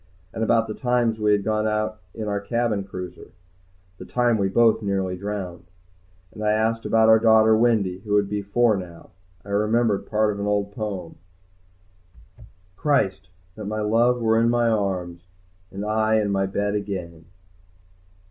And about the times we had gone out in our cabin cruiser, the time we both nearly drowned. And asked about our daughter Wendy, who would be four now. I remembered part of an old poem: Christ! That my love were in my arms, And I in my bed again!